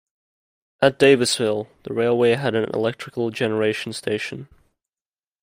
At Davisville, the railway had an electrical generation station.